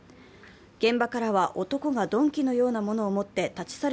現場からは男が鈍器のようなものを持って立ち去る